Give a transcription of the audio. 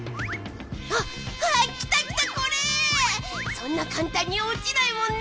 そんな簡単に落ちないもんね！